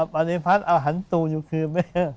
ปริภัทรเอาหันตูอยู่คืน